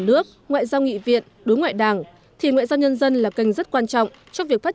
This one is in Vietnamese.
nước ngoại giao nghị viện đối ngoại đảng thì ngoại giao nhân dân là kênh rất quan trọng trong việc phát